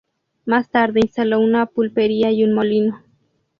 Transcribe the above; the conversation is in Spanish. Más tarde instaló una pulpería y un molino.